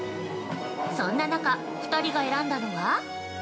そんな中、２人が選んだのは？